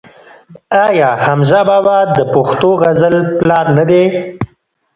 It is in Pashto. آیا حمزه بابا د پښتو غزل پلار نه دی؟